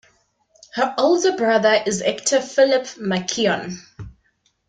Her older brother is actor Philip McKeon.